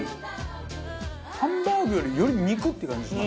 ハンバーグよりより肉って感じしますね。